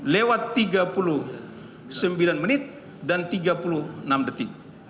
lewat tiga puluh sembilan menit dan tiga puluh enam detik